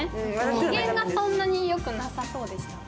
機嫌がそんなによくなさそうでした。